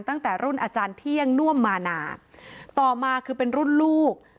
ตั้งแต่รุ่นอาจารย์เที่ยงน่วมมานาต่อมาคือเป็นรุ่นลูก